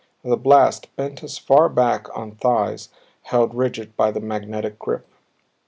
The blast bent us far back on thighs held rigid by the magnetic grip.